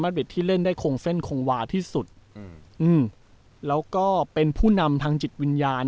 ที่เล่นได้คงเส้นคงวาที่สุดอืมอืมแล้วก็เป็นผู้นำทางจิตวิญญาณ